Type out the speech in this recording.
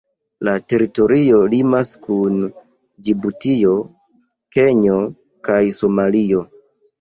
La teritorio limas kun Ĝibutio, Kenjo kaj Somalio.